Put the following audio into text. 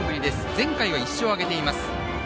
前回は１勝を挙げています。